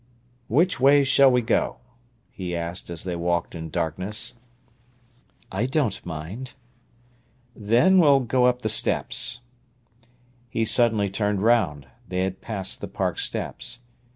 "Which way shall we go?" he asked as they walked in darkness. "I don't mind." "Then we'll go up the steps." He suddenly turned round. They had passed the Park steps.